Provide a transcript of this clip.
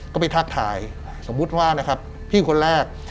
ก็ไปทักทายสมมุติว่านะครับพี่คนแรก